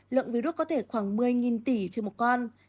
lượng virus có thể khoảng một mươi tỷ trên một con